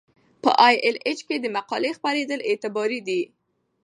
په ای ایل ایچ کې د مقالې خپریدل اعتبار دی.